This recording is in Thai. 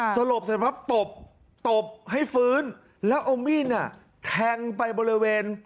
สลบเสร็จปั๊บตบตบให้ฟื้นแล้วเอามีดแทงไปบริเวณ